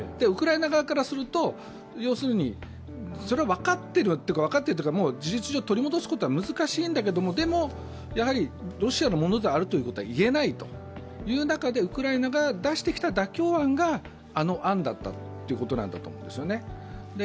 ウクライナ側からするとそれは分かっているというかもう事実上、取り戻すのは難しいんだけれどでもやはりロシアのものであるということは言えないという中でウクライナが出してきた妥協案があの案だったということなんだと思います。